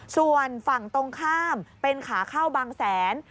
ส่วนฝั่งตรงข้ามเป็นขาเข้าบางแสน